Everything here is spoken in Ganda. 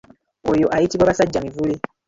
Oyo ayitibwa basajjamivule.